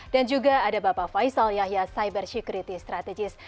dan juga ada bapak faisal yahya cyber security strategist